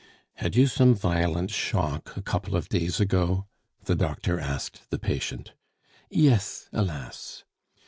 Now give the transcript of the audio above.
"Had you some violent shock a couple of days ago?" the doctor asked the patient. "Yes, alas!"